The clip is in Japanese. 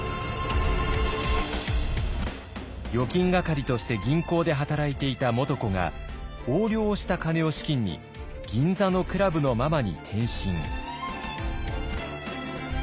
預金係として銀行で働いていた元子が横領をした金を資金に銀座のクラブのママに転身。